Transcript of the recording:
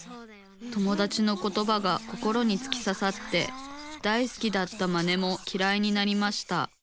友だちのことばが心につきささって大好きだったマネもきらいになりました。